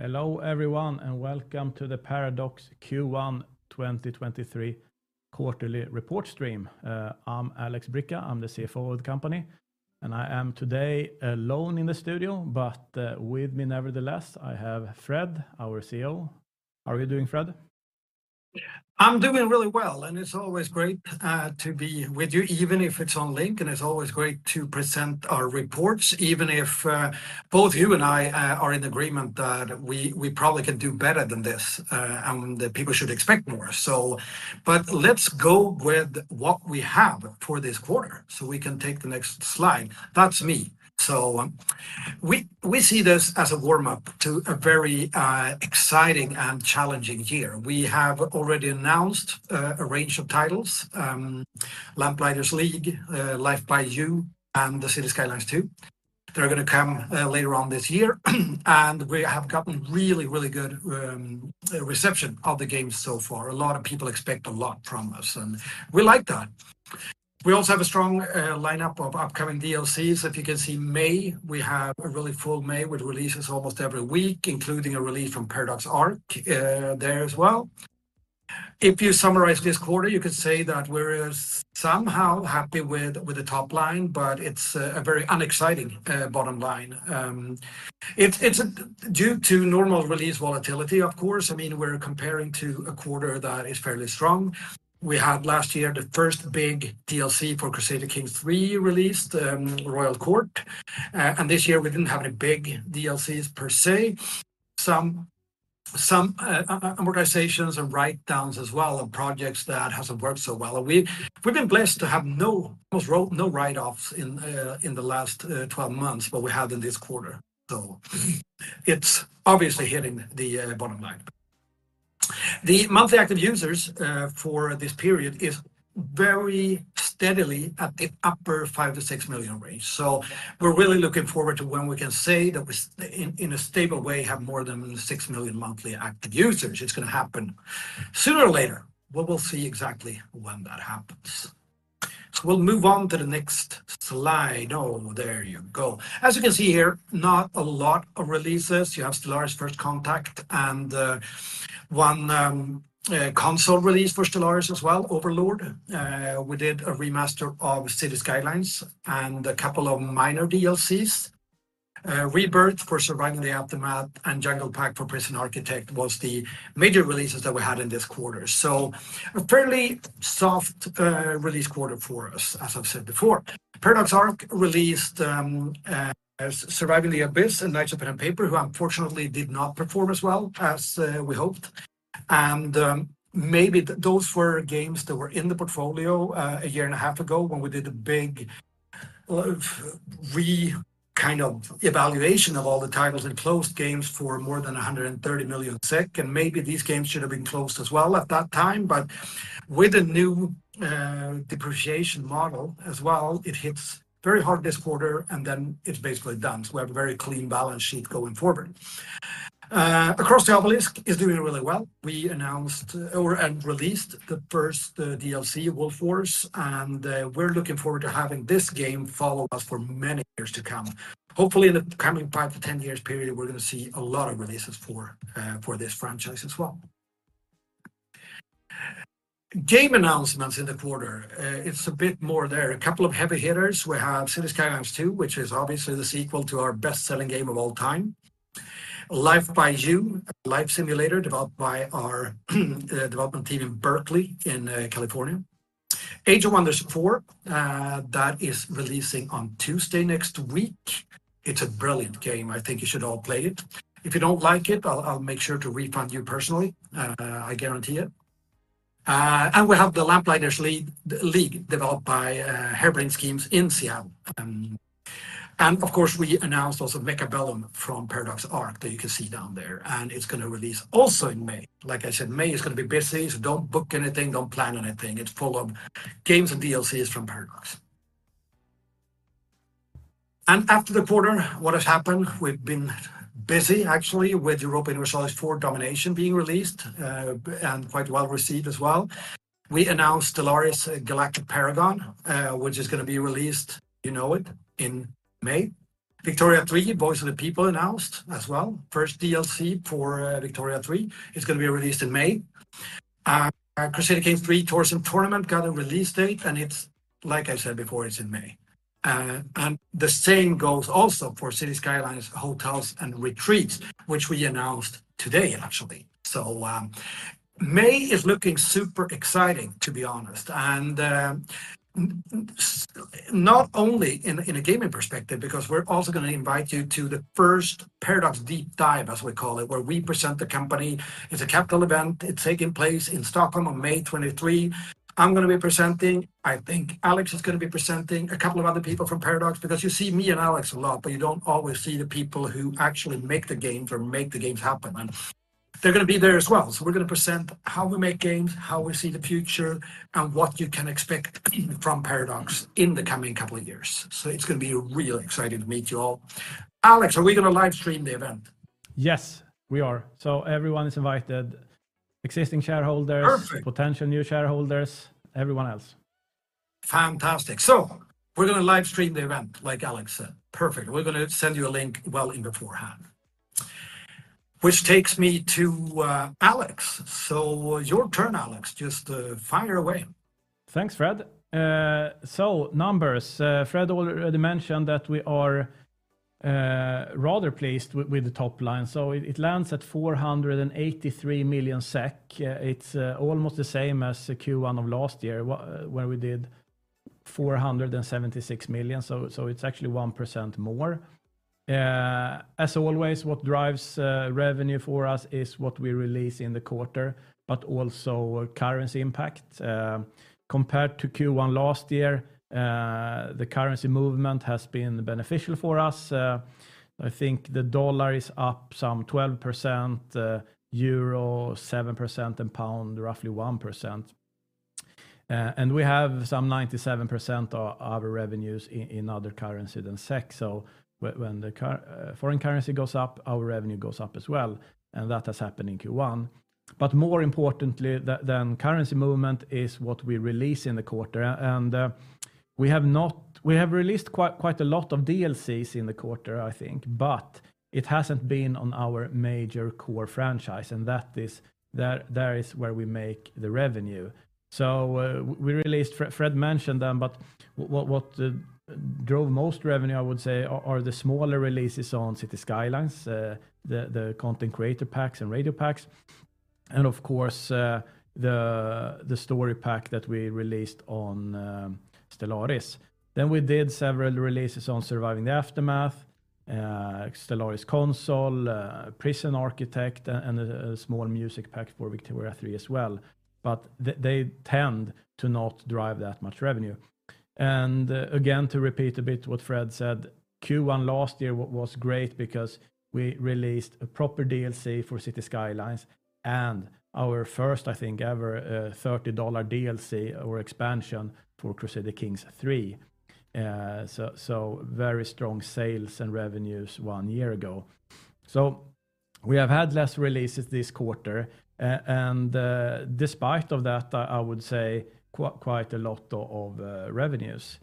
Hello, everyone, and welcome to the Paradox Q1 2023 quarterly report stream. I'm Alexander Bricca, I'm the CFO of the company, and I am today alone in the studio, but, with me nevertheless, I have Fred, our CEO. How are we doing, Fred? I'm doing really well. It's always great to be with you, even if it's on link. It's always great to present our reports, even if both you and I are in agreement that we probably can do better than this. The people should expect more. Let's go with what we have for this quarter. We can take the next slide. That's me. We see this as a warm-up to a very exciting and challenging year. We have already announced a range of titles, Lamplighters League, Life by You, and the Cities: Skylines II. They're gonna come later on this year. We have gotten really, really good reception of the games so far. A lot of people expect a lot from us, and we like that. We also have a strong lineup of upcoming DLCs. If you can see May, we have a really full May with releases almost every week, including a release from Paradox Arc there as well. If you summarize this quarter, you could say that we're somehow happy with the top line, but it's a very unexciting bottom line. It's due to normal release volatility, of course. I mean, we're comparing to a quarter that is fairly strong. We had last year, the first big DLC for Crusader Kings III released, Royal Court. This year we didn't have any big DLCs per se. Some amortizations and write-downs as well on projects that hasn't worked so well. We've been blessed to have no, almost no write-offs in the last 12 months, but we have in this quarter. It's obviously hitting the bottom line. The monthly active users for this period is very steadily at the upper 5 million-6 million range. We're really looking forward to when we can say that we in a stable way, have more than 6 million monthly active users. It's gonna happen sooner or later, but we'll see exactly when that happens. We'll move on to the next slide. Oh, there you go. As you can see here, not a lot of releases. You have Stellaris: First Contact and one console release for Stellaris as well, Overlord. We did a remaster of Cities: Skylines and a couple of minor DLCs. Rebirth for Surviving the Aftermath and Jungle Pack for Prison Architect was the major releases that we had in this quarter. A fairly soft release quarter for us, as I've said before. Paradox Arc released Surviving the Abyss and Knights of Pen & Paper, who unfortunately did not perform as well as we hoped. Maybe those were games that were in the portfolio a year and a half ago when we did a big kind of evaluation of all the titles and closed games for more than 130 million SEK, and maybe these games should have been closed as well at that time. With a new depreciation model as well, it hits very hard this quarter, and then it's basically done. We have a very clean balance sheet going forward. Across the Obelisk is doing really well. We announced and released the first DLC, Wolf Wars, and we're looking forward to having this game follow us for many years to come. Hopefully, in the coming 5 to 10 years period, we're gonna see a lot of releases for this franchise as well. Game announcements in the quarter. It's a bit more there. A couple of heavy hitters. We have Cities: Skylines II, which is obviously the sequel to our best-selling game of all time. Life by You, a life simulator developed by our development team in Berkeley, California. Age of Wonders 4, that is releasing on Tuesday next week. It's a brilliant game. I think you should all play it. If you don't like it, I'll make sure to refund you personally. I guarantee it. We have The Lamplighters League, developed by Harebrained Schemes in Seattle. Of course, we announced also Mechabellum from Paradox Arc, that you can see down there, and it's gonna release also in May. Like I said, May is gonna be busy, so don't book anything, don't plan anything. It's full of games and DLCs from Paradox. After the quarter, what has happened? We've been busy, actually, with Europa Universalis IV: Domination being released and quite well-received as well. We announced Stellaris: Galactic Paragons, which is gonna be released, you know it, in May. Victoria 3, Voice of the People announced as well. First DLC for Victoria 3. It's gonna be released in May. Crusader Kings III: Tours & Tournaments got a release date, and it's, like I said before, it's in May. The same goes also for Cities: Skylines: Hotels and Retreats, which we announced today, actually. May is looking super exciting, to be honest. Not only in a gaming perspective, because we're also gonna invite you to the first Paradox Deep Dive, as we call it, where we present the company. It's a capital event. It's taking place in Stockholm on May 23. I'm gonna be presenting. I think Alex is gonna be presenting, a couple of other people from Paradox, because you see me and Alex a lot, but you don't always see the people who actually make the games or make the games happen, and they're gonna be there as well. We're gonna present how we make games, how we see the future, and what you can expect from Paradox in the coming couple of years. It's gonna be real exciting to meet you all. Alex, are we gonna live stream the event? Yes, we are. Everyone is invited, existing shareholders. Perfect potential new shareholders, everyone else. Fantastic. We're gonna livestream the event like Alex said. Perfect. We're gonna send you a link well in beforehand. Which takes me to Alex. Your turn, Alex, just fire away. Thanks, Fred. Numbers. Fred already mentioned that we are rather pleased with the top line, it lands at 483 million SEK. It's almost the same as the Q1 of last year when we did 476 million, it's actually 1% more. As always, what drives revenue for us is what we release in the quarter, also currency impact. Compared to Q1 last year, the currency movement has been beneficial for us. I think the dollar is up some 12%, euro 7%, and pound roughly 1%. We have some 97% of our revenues in other currency than SEK. When the foreign currency goes up, our revenue goes up as well, that has happened in Q1. More importantly than currency movement is what we release in the quarter. We have released quite a lot of DLCs in the quarter, I think. It hasn't been on our major core franchise, and that is where we make the revenue. We released Fred mentioned them, but what drove most revenue, I would say, are the smaller releases on Cities: Skylines, the content creator packs and radio packs and of course, the story pack that we released on Stellaris. We did several releases on Surviving the Aftermath, Stellaris Console, Prison Architect, and a small music pack for Victoria 3 as well. They tend to not drive that much revenue. Again, to repeat a bit what Fred said, Q1 last year was great because we released a proper DLC for Cities: Skylines and our first, I think, ever, $30 DLC or expansion for Crusader Kings III. Very strong sales and revenues one year ago. We have had less releases this quarter. Despite of that, I would say quite a lot of revenues.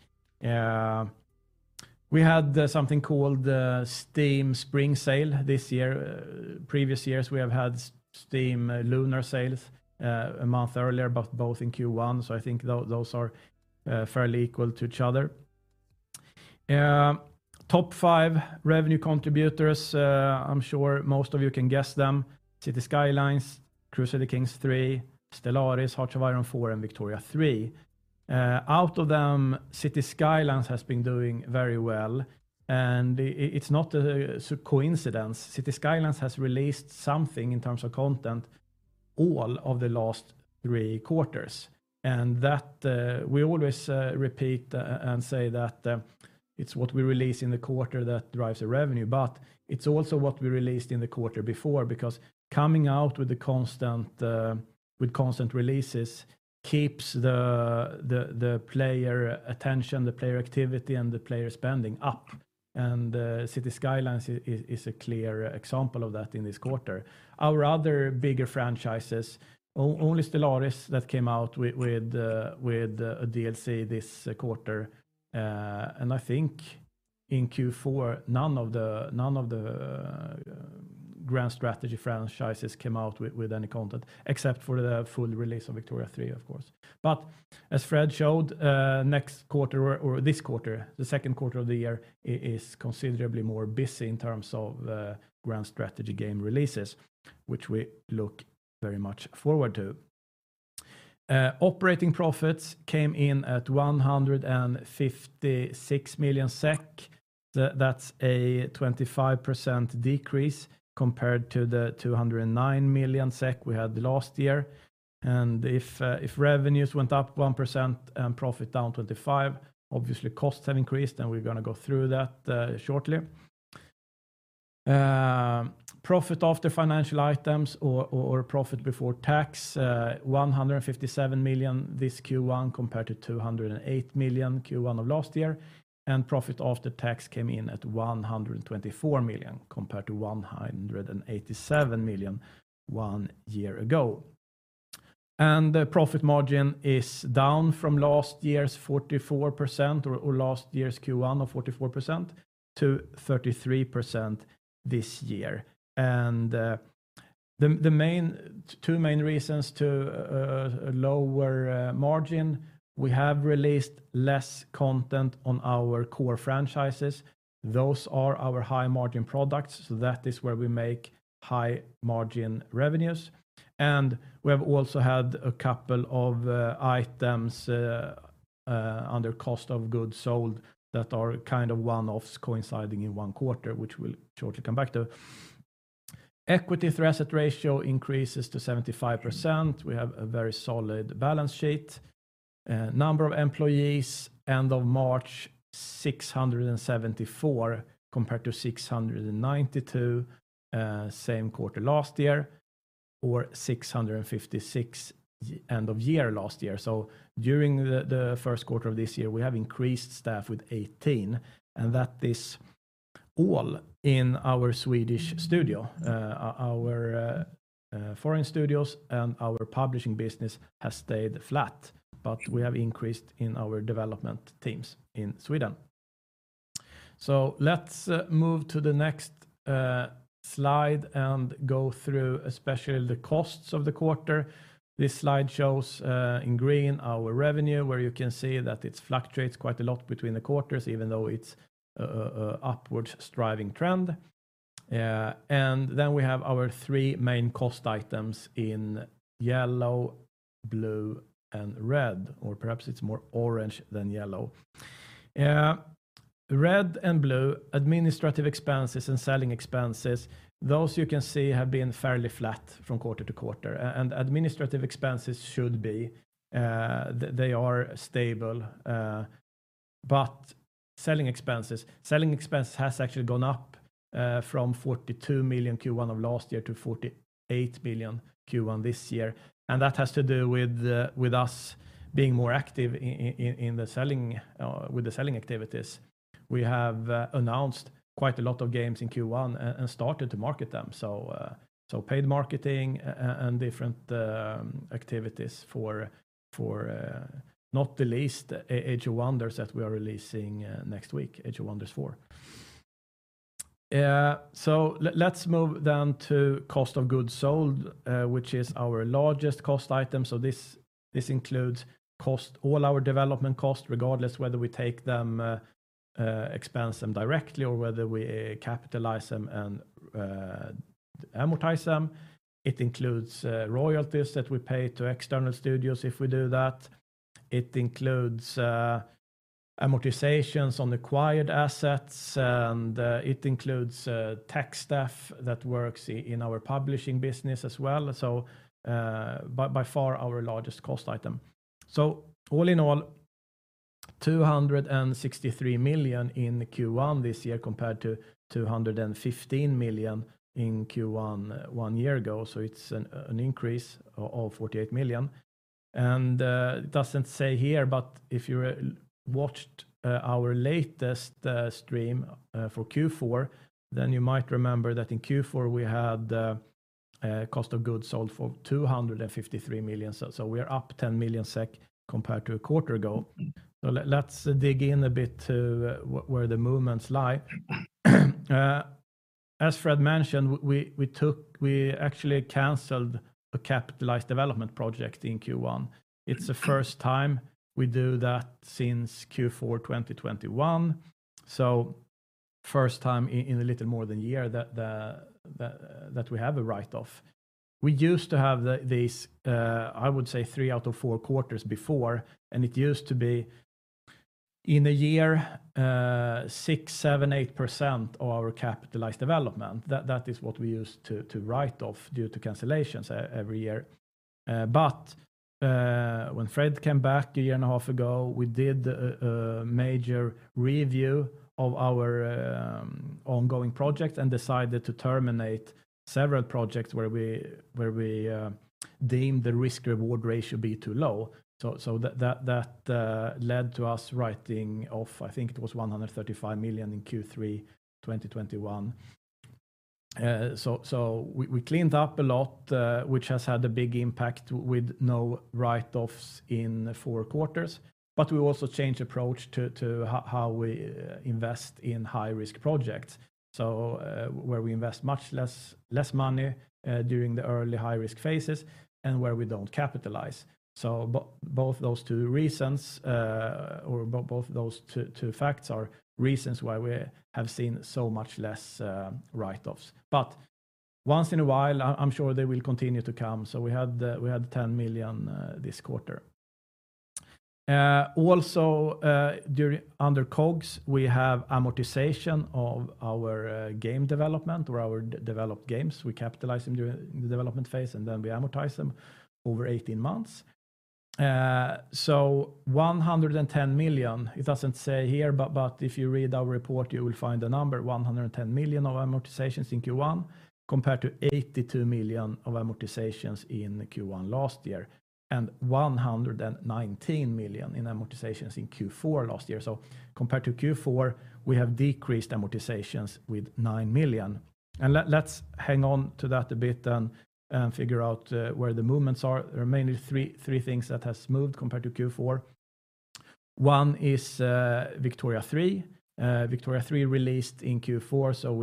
We had something called Steam Spring Sale this year. Previous years, we have had Steam Lunar Sales a month earlier, but both in Q1, so I think those are fairly equal to each other. Top five revenue contributors, I'm sure most of you can guess them. Cities: Skylines, Crusader Kings III, Stellaris, Hearts of Iron IV, and Victoria 3. Out of them, Cities: Skylines has been doing very well, it's not a coincidence. Cities: Skylines has released something in terms of content all of the last three quarters. That we always repeat and say that it's what we release in the quarter that drives the revenue. It's also what we released in the quarter before because coming out with the constant with constant releases keeps the player attention, the player activity, and the player spending up. Cities: Skylines is a clear example of that in this quarter. Our other bigger franchises, only Stellaris that came out with a DLC this quarter, I think in Q4, none of the grand strategy franchises came out with any content, except for the full release of Victoria 3, of course. As Fred showed, next quarter or this quarter, the Q2 of the year is considerably more busy in terms of grand strategy game releases, which we look very much forward to. Operating profits came in at 156 million SEK. That's a 25% decrease compared to the 209 million SEK we had last year. If revenues went up 1% and profit down 25%, obviously costs have increased, and we're gonna go through that shortly. Profit after financial items or profit before tax, 157 million this Q1 compared to 208 million Q1 of last year. Profit after tax came in at 124 million compared to 187 million one year ago. The profit margin is down from last year's 44% or last year's Q1 of 44% to 33% this year. Two main reasons to lower margin, we have released less content on our core franchises. Those are our high-margin products, so that is where we make high-margin revenues. We have also had a couple of items under cost of goods sold that are kind of one-offs coinciding in one quarter, which we'll shortly come back to. Equity to asset ratio increases to 75%. We have a very solid balance sheet. Number of employees end of March, 674 compared to 692 same quarter last year, or 656 end of year last year. During the Q1 of this year, we have increased staff with 18, and that is all in our Swedish studio. Our foreign studios and our publishing business has stayed flat, but we have increased in our development teams in Sweden. Let's move to the next slide and go through especially the costs of the quarter. This slide shows in green our revenue, where you can see that it fluctuates quite a lot between the quarters, even though it's an upward striving trend. We have our three main cost items in yellow, blue, and red, or perhaps it's more orange than yellow. Red and blue, administrative expenses and selling expenses, those you can see have been fairly flat from quarter-to-quarter, and administrative expenses should be, they are stable. Selling expenses, selling expense has actually gone up from 42 million Q1 of last year to 48 million Q1 this year. That has to do with us being more active in the selling with the selling activities. We have announced quite a lot of games in Q1 and started to market them, so paid marketing and different activities for not the least Age of Wonders that we are releasing next week, Age of Wonders 4. Let's move down to cost of goods sold, which is our largest cost item. This includes all our development costs regardless whether we take them, expense them directly or whether we capitalize them and amortize them. It includes royalties that we pay to external studios if we do that. It includes amortizations on acquired assets, and it includes tech staff that works in our publishing business as well. By far our largest cost item. All in all, 263 million in Q1 this year compared to 215 million in Q1 one year ago, so it's an increase of 48 million. It doesn't say here, but if you watched our latest stream for Q4, then you might remember that in Q4, we had a cost of goods sold for 253 million. We are up 10 million SEK compared to a quarter ago. Let's dig in a bit to where the movements lie. As Fred mentioned, we actually canceled a capitalized development project in Q1. It's the first time we do that since Q4 2021, first time in a little more than a year that we have a write-off. We used to have this, I would say three out of four quarters before, it used to be in a year, 6%, 7%, 8% of our capitalized development, that is what we used to write off due to cancellations every year. When Fred came back a year and a half ago, we did a major review of our ongoing projects and decided to terminate several projects where we deemed the risk-reward ratio be too low. That led to us writing off, I think it was 135 million in Q3 2021. We cleaned up a lot, which has had a big impact with no write-offs in four quarters. We also changed approach to how we invest in high-risk projects. Where we invest much less money during the early high-risk phases and where we don't capitalize. Both those two reasons, or both those two facts are reasons why we have seen so much less write-offs. Once in a while I'm sure they will continue to come, so we had 10 million this quarter. Also, under COGS, we have amortization of our game development or our developed games. We capitalize them during the development phase and then we amortize them over 18 months. 110 million, it doesn't say here, but if you read our report, you will find the number, 110 million of amortizations in Q1 compared to 82 million of amortizations in Q1 last year, and 119 million in amortizations in Q4 last year. Compared to Q4, we have decreased amortizations with 9 million. Let's hang on to that a bit and figure out where the movements are. There are mainly three things that have moved compared to Q4. One is Victoria 3. Victoria 3 released in Q4, so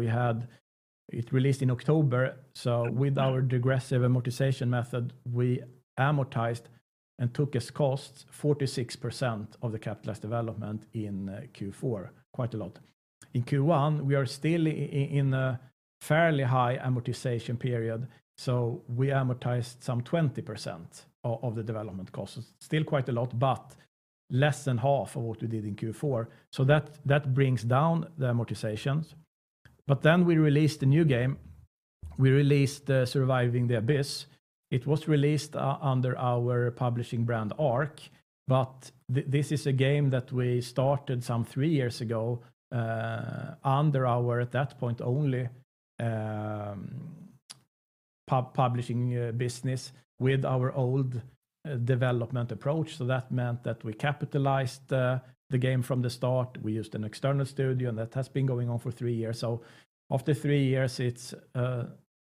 it released in October, so with our degressive amortization method, we amortized and took as costs 46% of the capitalized development in Q4, quite a lot. In Q1, we are still in a fairly high amortization period, so we amortized some 20% of the development costs. Still quite a lot, but less than half of what we did in Q4. That brings down the amortizations. We released a new game. We released Surviving the Abyss. It was released under our publishing brand Arc. This is a game that we started some three-years ago, under our, at that point, only publishing business with our old development approach. That meant that we capitalized the game from the start. We used an external studio, and that has been going on for three-years. After three-years, it's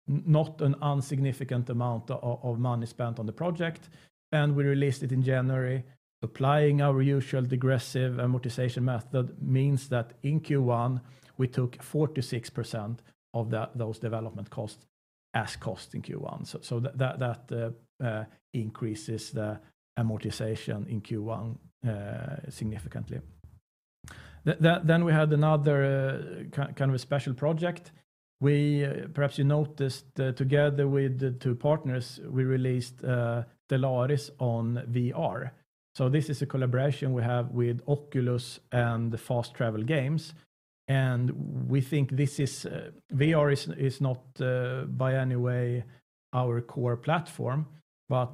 not an insignificant amount of money spent on the project, and we released it in January. Applying our usual degressive amortization method means that in Q1, we took 46% of those development costs as cost in Q1. That increases the amortization in Q1 significantly. Then we had another kind of a special project. Perhaps you noticed that together with the two partners, we released Stellaris on VR. This is a collaboration we have with Oculus and Fast Travel Games. We think this is VR is not by any way our core platform, but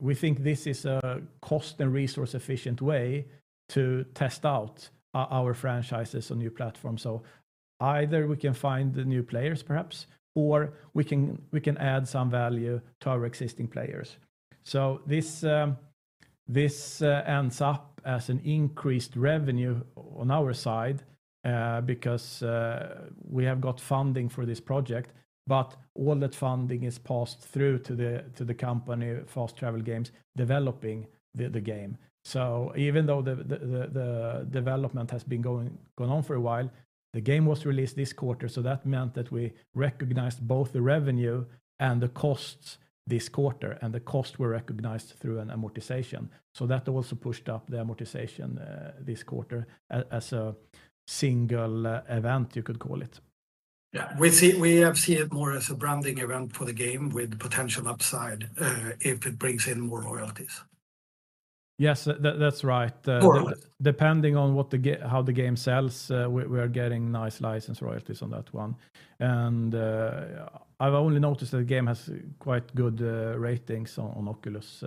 we think this is a cost and resource-efficient way to test out our franchises on new platforms. Either we can find the new players perhaps, or we can add some value to our existing players. This ends up as an increased revenue on our side, because we have got funding for this project, but all that funding is passed through to the company, Fast Travel Games, developing the game. Even though the development has gone on for a while, the game was released this quarter, that meant that we recognized both the revenue and the costs this quarter, and the costs were recognized through an amortization. That also pushed up the amortization this quarter as a single event, you could call it. Yeah. We have seen it more as a branding event for the game with potential upside, if it brings in more royalties. Yes. That's right. With. Depending on what how the game sells, we are getting nice license royalties on that one. I've only noticed the game has quite good ratings on Oculus.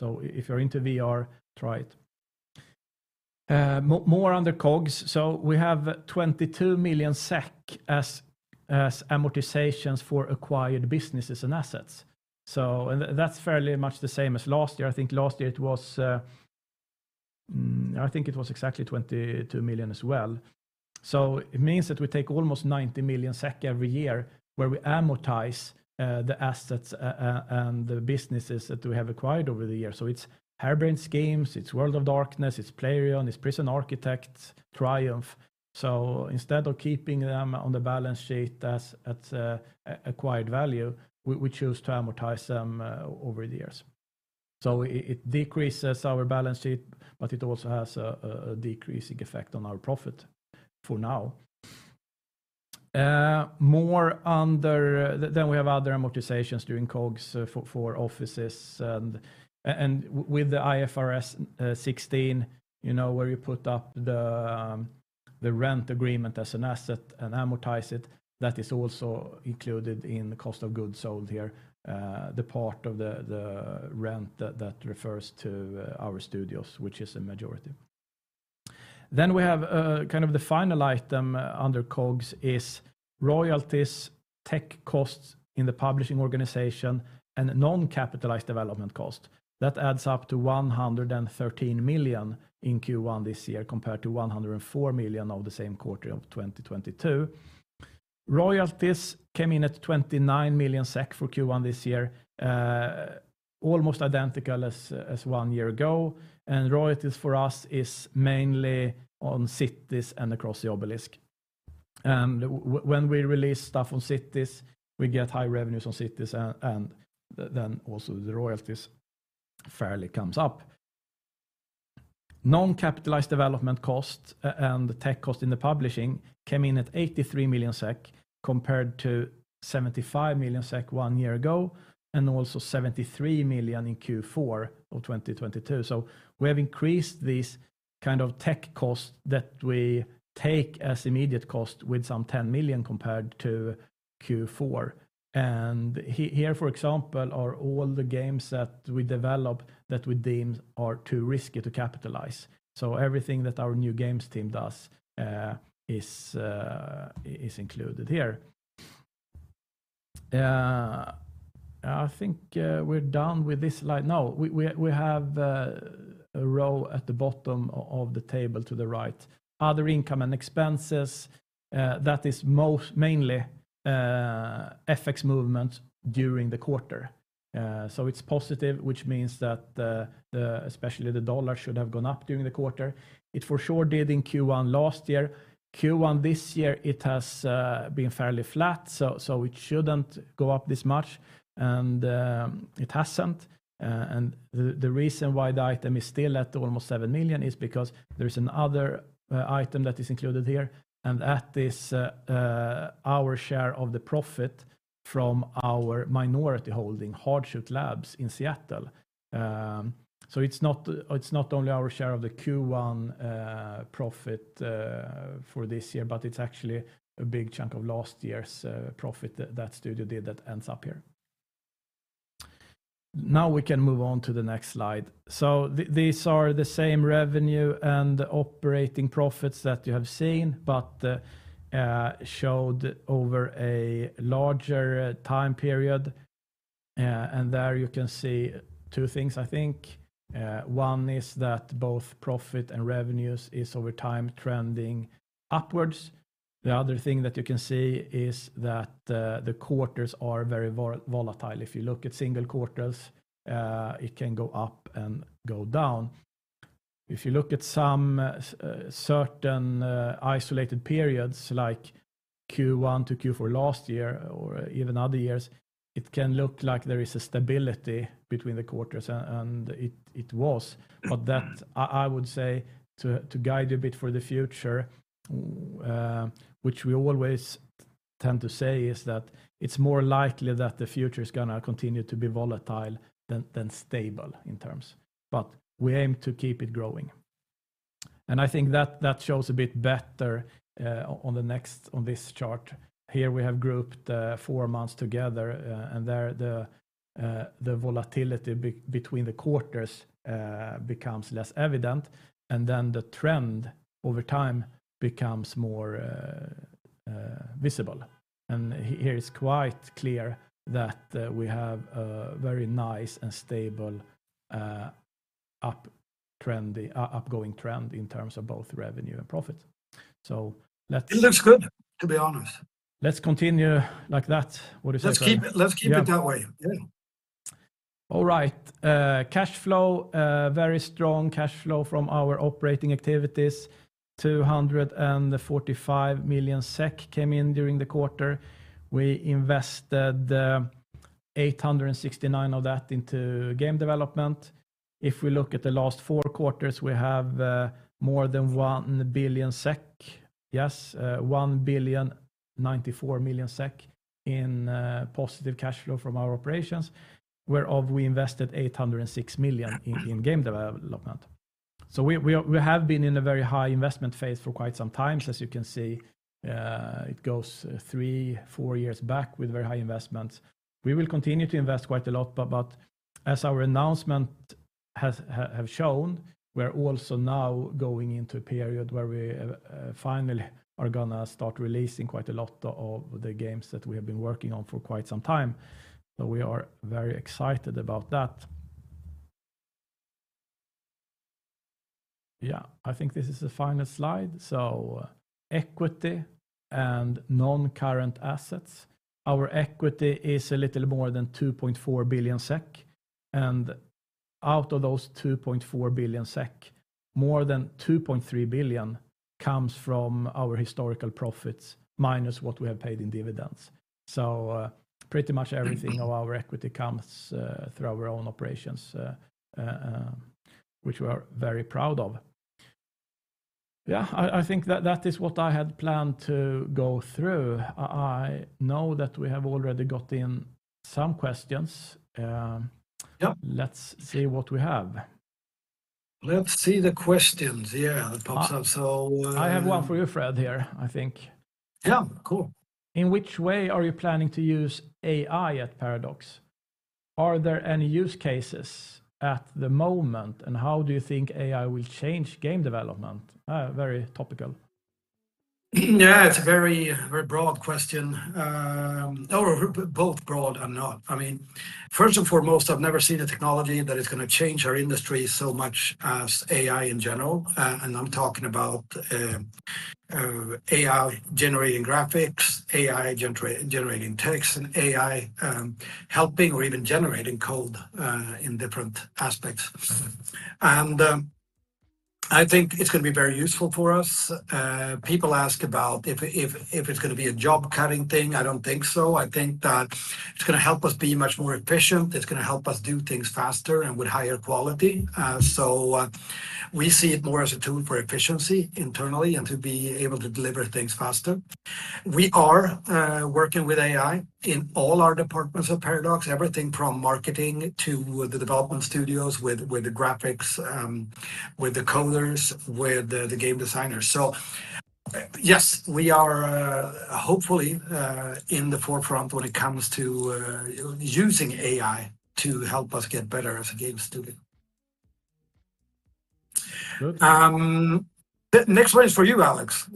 If you're into VR, try it. More under COGS. We have 22 million SEK as amortizations for acquired businesses and assets. That's fairly much the same as last year. I think last year it was, I think it was exactly 22 million SEK as well. It means that we take almost 90 million SEK every year where we amortize the assets and the businesses that we have acquired over the years. It's Harebrained Schemes, it's World of Darkness, it's Playrion, it's Prison Architect, Triumph. Instead of keeping them on the balance sheet as at acquired value, we choose to amortize them over the years. It decreases our balance sheet, but it also has a decreasing effect on our profit for now. Then we have other amortizations during COGS for offices and with the IFRS 16, you know, where you put up the rent agreement as an asset and amortize it, that is also included in the cost of goods sold here, the part of the rent that refers to our studios, which is a majority. Then we have kind of the final item under COGS is royalties, tech costs in the publishing organization, and non-capitalized development cost. That adds up to 113 million in Q1 this year compared to 104 million of the same quarter of 2022. Royalties came in at 29 million SEK for Q1 this year, almost identical as one year ago. Royalties for us is mainly on Cities and Across the Obelisk. When we release stuff on Cities, we get high revenues on Cities and then also the royalties fairly comes up. Non-capitalized development cost and tech cost in the publishing came in at 83 million SEK compared to 75 million SEK one year ago and also 73 million in Q4 of 2022. We have increased this kind of tech cost that we take as immediate cost with some 10 million compared to Q4. Here, for example, are all the games that we develop that we deemed are too risky to capitalize. Everything that our new games team does is included here. I think we're done with this slide. No, we have a row at the bottom of the table to the right. Other income and expenses, that is most mainly FX movement during the quarter. It's positive, which means that the especially the dollar should have gone up during the quarter. It for sure did in Q1 last year. Q1 this year, it has been fairly flat, so it shouldn't go up this much, and it hasn't. The reason why the item is still at almost 7 million is because there is another item that is included here, that is our share of the profit from our minority holding, Hardsuit Labs in Seattle. It's not only our share of the Q1 profit for this year, but it's actually a big chunk of last year's profit that studio did that ends up here. Now we can move on to the next slide. These are the same revenue and operating profits that you have seen, but showed over a larger time period. There you can see two things, I think. One is that both profit and revenues is over time trending upwards. The other thing that you can see is that the quarters are very volatile. If you look at single quarters, it can go up and go down. If you look at some certain isolated periods like Q1 to Q4 last year or even other years, it can look like there is a stability between the quarters and it was. That I would say to guide a bit for the future, which we always tend to say is that it's more likely that the future is gonna continue to be volatile than stable in terms. We aim to keep it growing. I think that shows a bit better on this chart. Here we have grouped four months together, and there the volatility between the quarters becomes less evident, and then the trend over time becomes more visible. Here it's quite clear that, we have a very nice and stable, up going trend in terms of both revenue and profit. It looks good, to be honest. Let's continue like that. What do you say, Fred? Let's keep it that way. Yeah. Yeah. Cash flow, very strong cash flow from our operating activities. 245 million SEK came in during the quarter. We invested 869 of that into game development. If we look at the last four quarters, we have more than 1 billion SEK. 1,094 million SEK in positive cash flow from our operations, whereof we invested 806 million in game development. We have been in a very high investment phase for quite some time, as you can see. It goes three, four years back with very high investments. We will continue to invest quite a lot, but as our announcement has shown, we're also now going into a period where we finally are gonna start releasing quite a lot of the games that we have been working on for quite some time. We are very excited about that. I think this is the final slide. Equity and non-current assets. Our equity is a little more than 2.4 billion SEK, and out of those 2.4 billion SEK, more than 2.3 billion comes from our historical profits minus what we have paid in dividends. Pretty much everything of our equity comes through our own operations, which we are very proud of. I think that is what I had planned to go through. I know that we have already got in some questions. Yeah Let's see what we have. Let's see the questions. Yeah, that pops up. I have one for you, Fred, here, I think. Yeah, cool. In which way are you planning to use AI at Paradox? Are there any use cases at the moment, and how do you think AI will change game development? Very topical. Yeah, it's a very, very broad question. I mean, both broad and not. First and foremost, I've never seen a technology that is gonna change our industry so much as AI in general, and I'm talking about AI generating graphics, AI generating texts, and AI helping or even generating code in different aspects. I think it's gonna be very useful for us. People ask about if it's gonna be a job-cutting thing. I don't think so. I think that it's gonna help us be much more efficient. It's gonna help us do things faster and with higher quality. We see it more as a tool for efficiency internally and to be able to deliver things faster. We are working with AI in all our departments of Paradox, everything from marketing to the development studios, with the graphics, with the coders, with the game designers. Yes, we are hopefully in the forefront when it comes to using AI to help us get better as a game studio. Good. The next one is for you, Alex.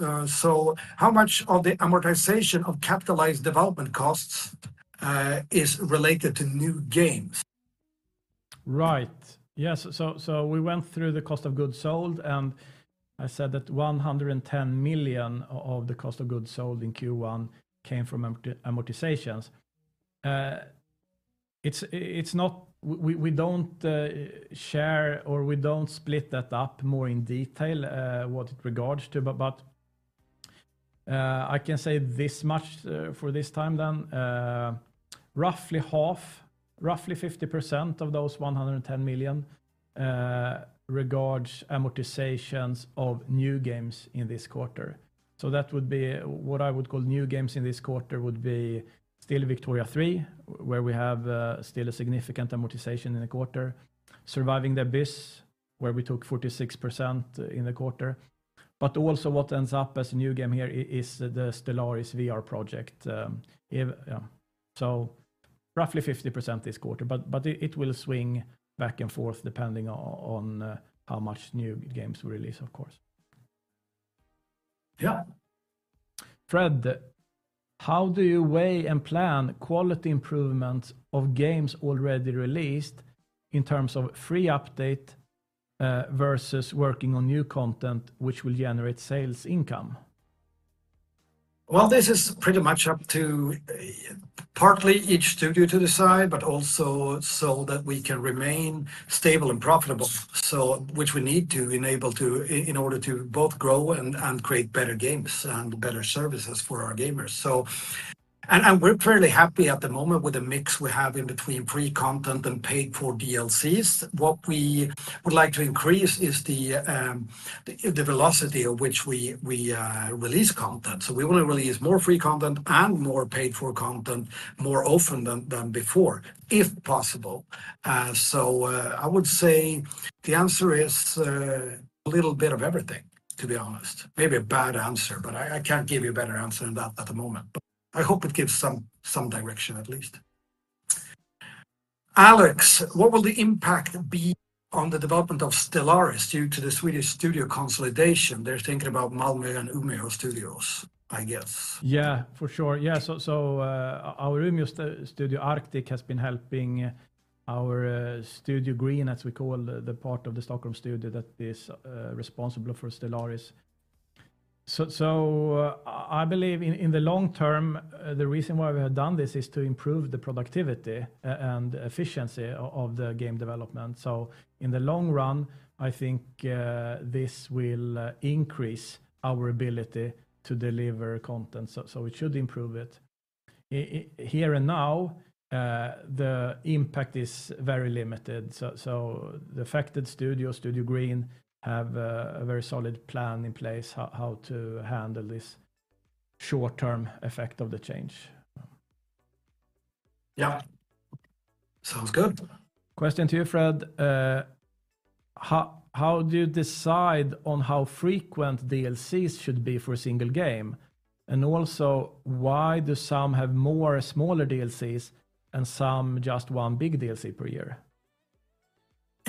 How much of the amortization of capitalized development costs is related to new games? Right. Yes. We went through the cost of goods sold. I said that 110 million of the cost of goods sold in Q1 came from amortizations. It's not we don't share or we don't split that up more in detail what it regards to, but I can say this much for this time then. Roughly half, roughly 50% of those 110 million regards amortizations of new games in this quarter. That would be what I would call new games in this quarter would be still Victoria 3, where we have still a significant amortization in the quarter. Surviving the Abyss. Where we took 46% in the quarter. Also what ends up as a new game here is the Stellaris VR project, if, yeah. Roughly 50% this quarter, but it will swing back and forth depending on how much new games we release, of course. Yeah. Fred, how do you weigh and plan quality improvements of games already released in terms of free update, versus working on new content which will generate sales income? Well, this is pretty much up to partly each studio to decide, but also so that we can remain stable and profitable. Which we need to enable to in order to both grow and create better games and better services for our gamers. We're fairly happy at the moment with the mix we have in between free content and paid-for DLCs. What we would like to increase is the velocity of which we release content. We wanna release more free content and more paid-for content more often than before, if possible. I would say the answer is a little bit of everything, to be honest. Maybe a bad answer, but I can't give you a better answer than that at the moment. I hope it gives some direction at least. Alex, what will the impact be on the development of Stellaris due to the Swedish studio consolidation? They're thinking about Malmö and Umeå studios, I guess. For sure. Our Umeå studio Arctic has been helping our PDS Green, as we call the part of the Stockholm studio that is responsible for Stellaris. I believe in the long term, the reason why we have done this is to improve the productivity and efficiency of the game development. In the long run, I think this will increase our ability to deliver content. It should improve it. Here and now, the impact is very limited. The affected studio, PDS Green, have a very solid plan in place how to handle this short-term effect of the change. Yeah. Sounds good. Question to you, Fred. How do you decide on how frequent DLCs should be for a single game? Also, why do some have more smaller DLCs and some just one big DLC per year?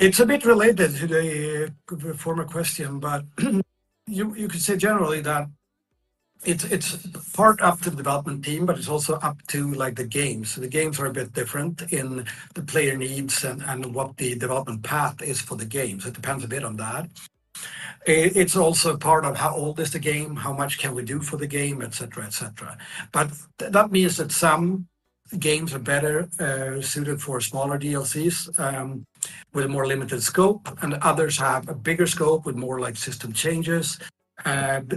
It's a bit related to the former question, but you could say generally that it's part up to the development team, but it's also up to, like, the games. The games are a bit different in the player needs and what the development path is for the games. It depends a bit on that. It's also part of how old is the game, how much can we do for the game, et cetera, et cetera. That means that some games are better suited for smaller DLCs with a more limited scope, and others have a bigger scope with more, like, system changes.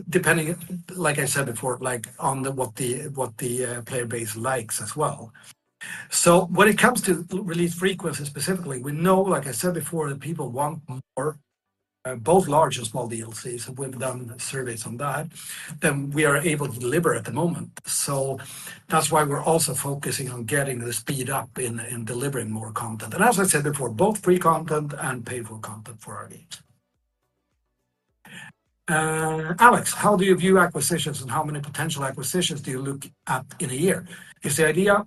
Depending, like I said before, like, what the player base likes as well. When it comes to release frequency specifically, we know, like I said before, that people want more, both large and small DLCs, we've done surveys on that, than we are able to deliver at the moment. That's why we're also focusing on getting the speed up in delivering more content. As I said before, both free content and paid-for content for our games. Alex, how do you view acquisitions, and how many potential acquisitions do you look at in a year? Is the idea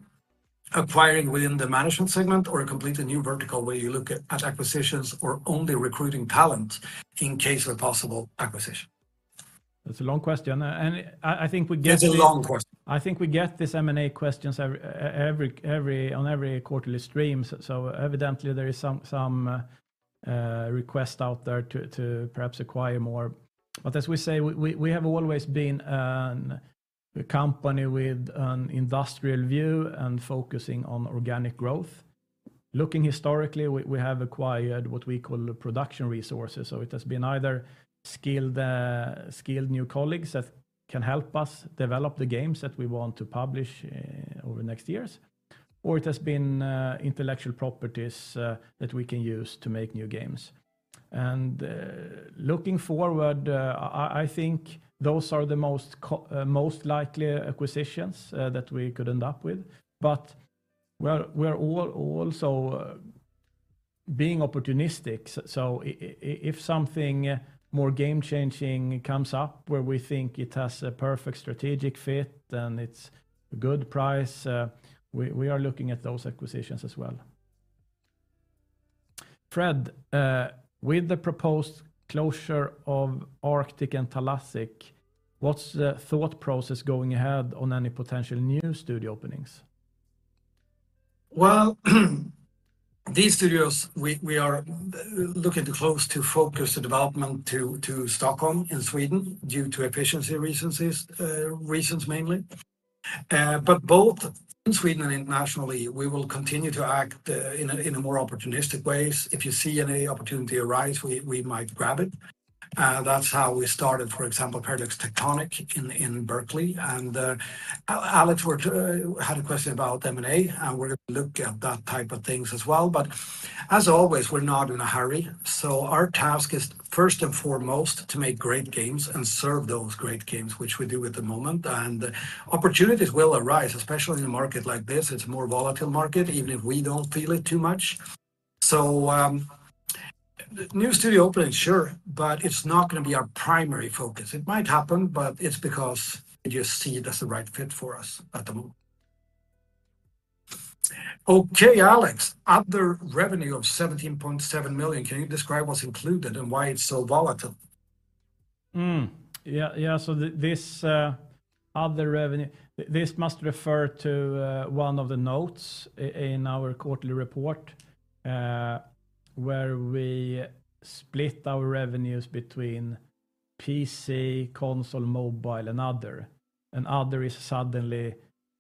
acquiring within the management segment or a completely new vertical where you look at acquisitions or only recruiting talent in case of possible acquisition? That's a long question. I think. It's a long question. I think we get these M&A questions every quarterly stream. Evidently there is some request out there to perhaps acquire more. As we say, we have always been a company with an industrial view and focusing on organic growth. Looking historically, we have acquired what we call production resources. It has been either skilled new colleagues that can help us develop the games that we want to publish over the next years, or it has been intellectual properties that we can use to make new games. Looking forward, I think those are the most likely acquisitions that we could end up with. We're also being opportunistic. If something more game-changing comes up where we think it has a perfect strategic fit and it's a good price, we are looking at those acquisitions as well. Fred, with the proposed closure of Arctic and Thalassic, what's the thought process going ahead on any potential new studio openings? Well, these studios, we are looking to close to focus the development to Stockholm in Sweden due to efficiency reasons mainly. Both in Sweden and internationally, we will continue to act in a more opportunistic ways. If you see any opportunity arise, we might grab it. That's how we started, for example, Paradox Tectonic in Berkeley. Alex had a question about M&A, we're gonna look at that type of things as well. As always, we're not in a hurry, our task is first and foremost to make great games and serve those great games, which we do at the moment. Opportunities will arise, especially in a market like this. It's a more volatile market, even if we don't feel it too much. The new studio opening, sure, but it's not gonna be our primary focus. It might happen, but it's because you see it as the right fit for us at the moment. Okay, Alex, other revenue of 17.7 million, can you describe what's included and why it's so volatile? Yeah, yeah. This other revenue, this must refer to one of the notes in our quarterly report, where we split our revenues between PC, console, mobile, and other, and other is suddenly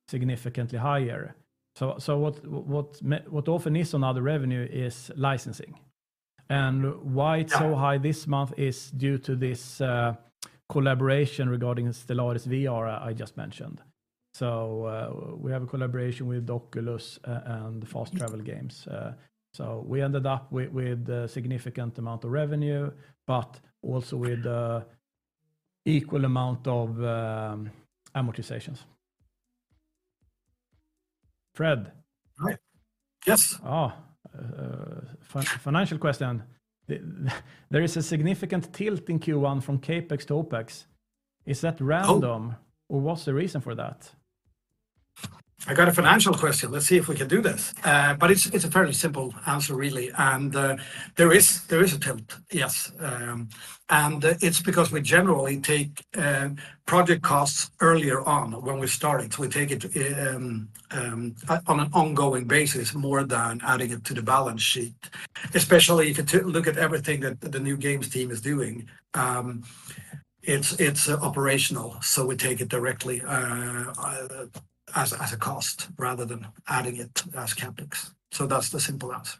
significantly higher. What often is on other revenue is licensing and. Yeah... it's so high this month is due to this collaboration regarding Stellaris VR I just mentioned. We have a collaboration with Oculus and Fast Travel Games. We ended up with a significant amount of revenue, but also with equal amount of amortizations. Fred. Hi. Yes. Financial question. "There is a significant tilt in Q1 from CapEx to OpEx. Is that random? Oh. What's the reason for that? I got a financial question. Let's see if we can do this. It's a fairly simple answer really, there is a tilt, yes. It's because we generally take project costs earlier on when we start it. We take it on an ongoing basis more than adding it to the balance sheet. Especially if you look at everything that the new games team is doing, it's operational, we take it directly as a cost rather than adding it as CapEx. That's the simple answer.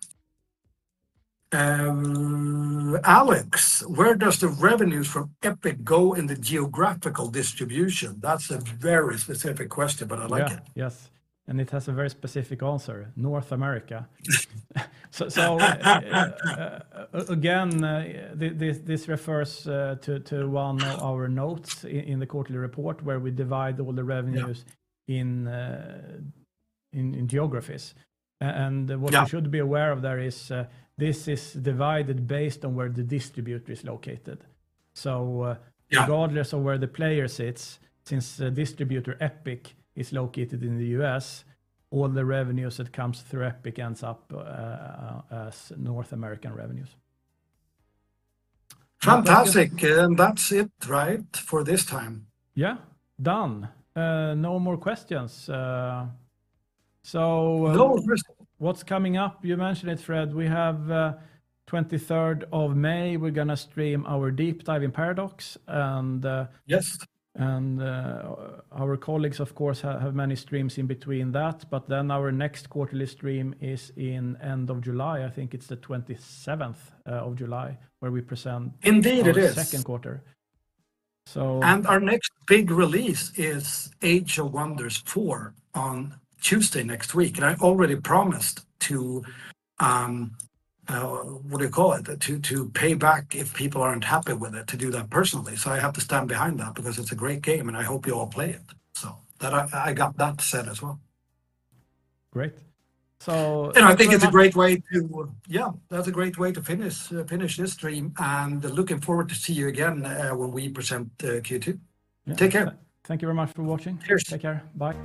Alex, "Where does the revenues from Epic go in the geographical distribution?" That's a very specific question, I like it. Yeah. Yes, it has a very specific answer, North America. Again, this refers to one of our notes in the quarterly report where we divide all the revenues- Yeah in geographies. Yeah... you should be aware of there is, this is divided based on where the distributor is located. Yeah regardless of where the player sits, since the distributor, Epic, is located in the U.S., all the revenues that comes through Epic ends up as North American revenues. Fantastic. And that- That's it, right, for this time? Yeah. Done. No more questions. No more questions. What's coming up, you mentioned it, Fred, we have, May 23rd, we're gonna stream our Deep Dive in Paradox. Yes Our colleagues of course have many streams in between that, but then our next quarterly stream is in end of July. I think it's the of July 27th. Indeed it is. ... our second quarter. Our next big release is Age of Wonders 4 on Tuesday next week, and I already promised to what do you call it? To pay back if people aren't happy with it, to do that personally, so I have to stand behind that because it's a great game and I hope you all play it, so. That I got that said as well. Great. I think it's a great way to, yeah, that's a great way to finish this stream, and looking forward to see you again, when we present Q2. Yeah. Take care. Thank you very much for watching. Cheers. Take care. Bye.